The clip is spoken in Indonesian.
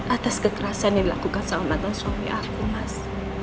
atas kekerasan yang dilakukan sama mantan suami aku mas